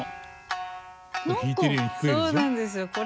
そうなんですよこれ。